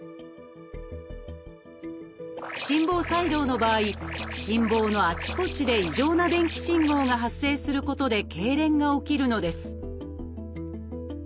心房細動の場合心房のあちこちで異常な電気信号が発生することでけいれんが起きるのです